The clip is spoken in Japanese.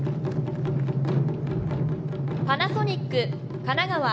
パナソニック、神奈川。